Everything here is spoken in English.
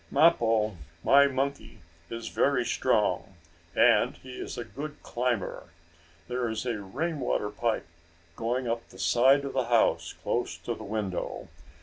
"Mappo, my monkey is very strong, and he is a good climber. There is a rain water pipe going up the side of the house, close to the window.